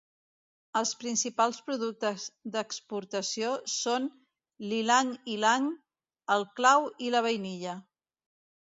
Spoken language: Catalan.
Els principals productes d'exportació són l'ilang-ilang, el clau i la vainilla.